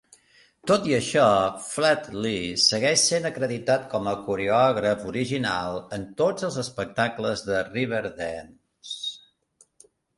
Tot i això, Flatley segueix sent acreditat com a coreògraf original en tots els espectacles de Riverdance.